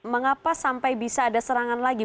mengapa sampai bisa ada serangan lagi